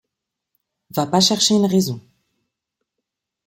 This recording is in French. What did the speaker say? Va pas chercher une raison.